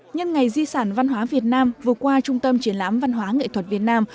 nhân ngày di sản văn hóa việt nam vừa qua trung tâm triển lãm văn hóa nghệ thuật việt nam